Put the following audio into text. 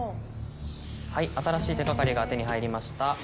はい新しい手がかりが手に入りました。